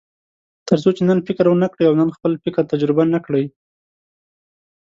تر څو چې نن فکر ونه کړئ او نن خپل فکر تجربه نه کړئ.